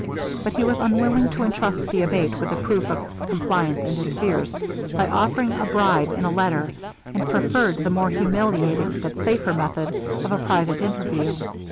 But he was unwilling to entrust the Abate with a proof of his compliance and his fears by offering a bribe in a letter, and preferred the more humiliating, but safer method, of a private interview.